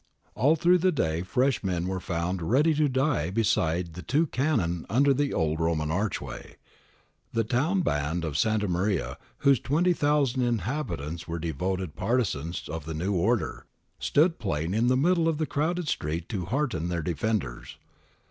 All through the day fresh men were found ready to die beside the two cannon under the old Roman archway. The town band of Santa Maria, whose 20,000 inhabitants were devoted partisans of the new order, stood playing in the middle of the crowded street to hearten their defenders.